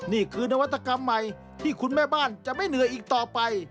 นี่คือนวัตกรรมใหม่ที่คุณแม่บ้านจะไม่เหนื่อยอีกต่อไป